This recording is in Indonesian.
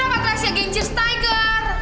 eh ini rapat rahasia geng cheers tiger